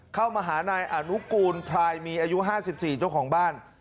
เข้ามาหานายอนุกูลพลายมีอายุ๕๔เจ้าของบ้าน